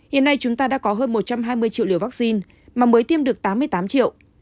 hiện nay chúng ta đã có hơn một trăm hai mươi triệu liều vaccine mà mới tiêm được tám mươi tám triệu